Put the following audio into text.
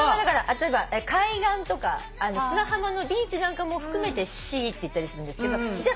例えば海岸とか砂浜のビーチなんかも含めてシーっていったりするんですけどじゃ